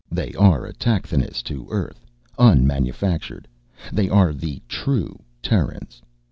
They are autochthonous to Earth, unmanufactured. They are the true Terrans.